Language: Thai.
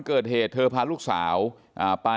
ทีนี้ก็ต้องถามคนกลางหน่อยกันแล้วกัน